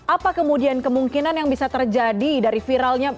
apa kemudian kemungkinan yang bisa terjadi dari viralnya